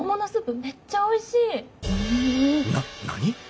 な何！？